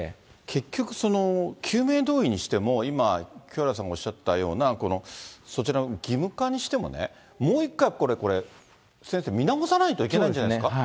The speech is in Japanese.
結局この救命胴衣にしても、今、清原さんがおっしゃったような、そちらの義務化にしてもね、もう一回これ、先生、見直さないといけないんじゃないですか。